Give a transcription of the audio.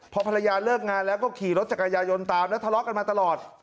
พอภรรยาเลิกงานแล้วก็ขี่รถจักรยายนตามแล้วทะเลาะกันมาตลอด